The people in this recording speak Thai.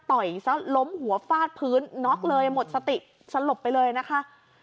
ต่อยซะล้มหัวฟาดพื้นน็อกเลยหมดสติสลบไปเลยนะคะ